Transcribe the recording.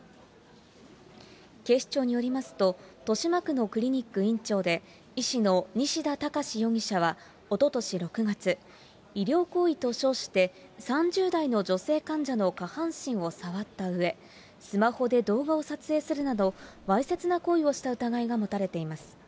警視庁によりますと、豊島区のクリニック院長で、医師の西田隆容疑者は、おととし６月、医療行為と称して、３０代の女性患者の下半身を触ったうえ、スマホで動画を撮影するなど、わいせつな行為をした疑いが持たれています。